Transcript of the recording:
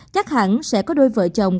chắc hẳn sẽ có đôi vợ chồng